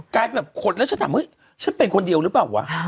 กลายเป็นแบบขดแล้วฉันถามเฮ้ยฉันเป็นคนเดียวหรือเปล่าวะ